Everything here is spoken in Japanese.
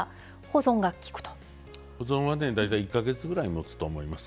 保存は大体１か月くらいもつと思います。